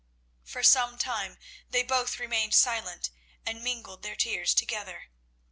For some time they both remained silent and mingled their tears together.